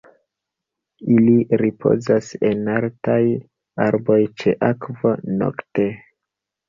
Ili ripozas en altaj arboj ĉe akvo nokte.